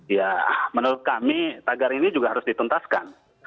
ya menurut kami tagar ini juga harus dituntaskan